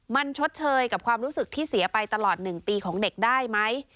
มันชดเชยกับความรู้สึกที่เสียไปตลอด๑ปีของเด็กได้ไหม